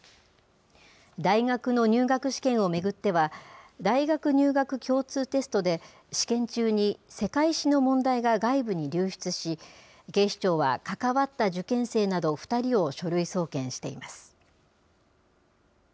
大学の入学試験を巡っては、大学入学共通テストで、試験中に世界史の問題が外部に流出し、警視庁は関わった受験生など、２人を書類送検しています。